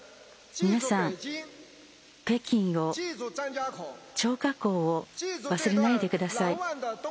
皆さん、北京を張家口を忘れないでください。